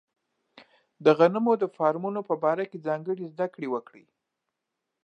د غنمو د فارمونو په باره کې ځانګړې زده کړې وکړي.